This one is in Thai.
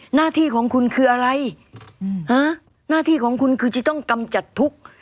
หน้าที่ของคุณคืออะไรหน้าที่ของคุณคือจะต้องกำจัดทุกข์